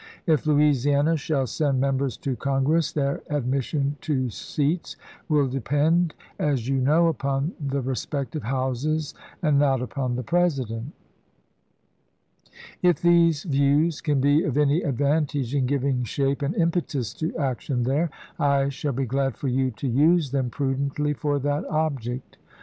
If Louisiana shall send members to Congress, their admission to seats will depend, as you know, upon the respective Houses and not upon the President. If these views can be of any advantage in giving shape and impetus to action there, I shall be glad for you to use them prudently for that object.